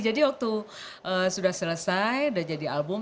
jadi waktu sudah selesai sudah jadi album